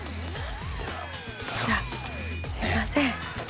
じゃあすいません。